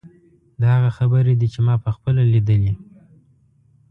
دا هغه خبرې دي چې ما په خپله لیدلې.